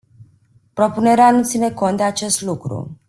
Propunerea nu ține cont de acest lucru.